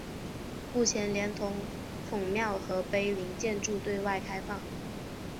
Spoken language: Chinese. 目前连同孔庙和碑林建筑对外开放。